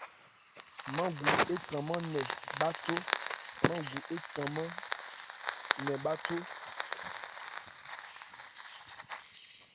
Mángu étranmán nkɛ bháthó.